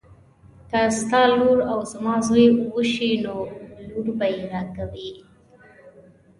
که ستا لور او زما زوی وشي نو لور به یې راکوي.